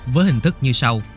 với hình thức như sau